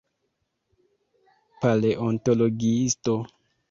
... paleontologiisto